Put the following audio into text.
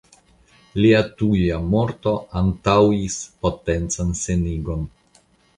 Lia tuja morto antaŭis potencan senigon.